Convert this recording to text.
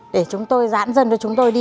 để chúng tôi dãn dân cho chúng tôi đi